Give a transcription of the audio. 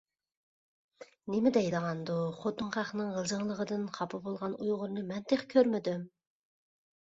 -نېمە دەيدىغاندۇ، خوتۇن خەقنىڭ غىلجىڭلىغىنىدىن خاپا بولغان ئۇيغۇرنى مەن تېخى كۆرمىدىم!